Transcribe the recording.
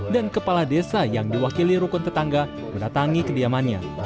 dan kepala desa yang diwakili rukun tetangga menatangi kediamannya